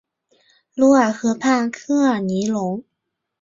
卢尔河畔科尔尼隆。